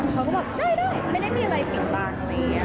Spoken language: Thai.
เขาก็แบบได้ไม่ได้มีอะไรปิดบ้าง